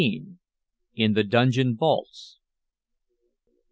IN THE DUNGEON VAULTS.